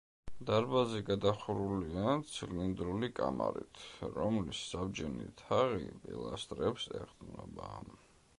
დარბაზი გადახურულია ცილინდრული კამარით, რომლის საბჯენი თაღი პილასტრებს ეყრდნობა.